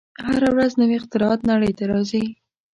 هره ورځ نوې اختراعات نړۍ ته راځي.